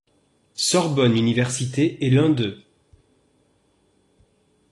Sorbonne Universités est l'un d'eux.